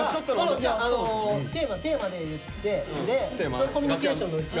違うテーマテーマで言ってそのコミュニケーションのうちで。